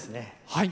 はい。